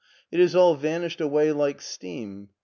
It is all vanished away like steam.